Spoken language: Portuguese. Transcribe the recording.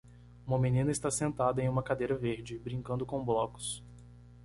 Uma menina está sentada em uma cadeira verde, brincando com blocos.